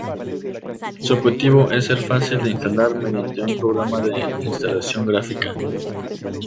Su objetivo es ser fácil de instalar mediante un programa de instalación gráfica.